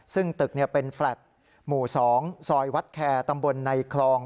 ซึ่งตึกเป็นแฟลต์หมู่๒ซอยวัดแคร์ตำบลในคลอง